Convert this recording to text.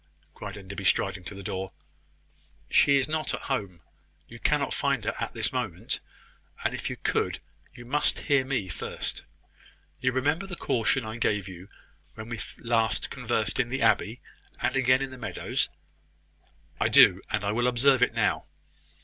cried Enderby, striding to the door. "She is not at home. You cannot find her at this moment: and if you could, you must hear me first. You remember the caution I gave you when we last conversed in the abbey, and again in the meadows." "I do; and I will observe it now."